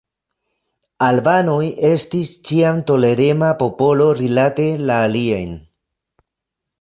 Albanoj estis ĉiam tolerema popolo rilate la aliajn.